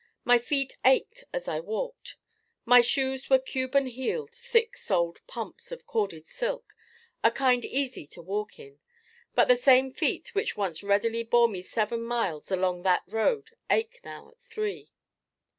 My feet ached as I walked. My shoes were Cuban heeled thick soled pumps of corded silk, a kind easy to walk in. But the same feet which once readily bore me seven miles along that road ache now at three.